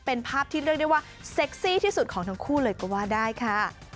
เป็นภาพที่เรียกได้ว่าเซ็กซี่ที่สุดของทั้งคู่เลยก็ว่าได้ค่ะ